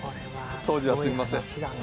当時はすみません。